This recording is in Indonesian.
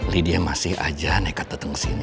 lydia masih aja nekat dateng sini